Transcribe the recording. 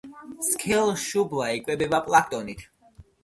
სქელშუბლა იკვებება პლანქტონით.